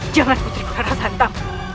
jangan putriku rana santai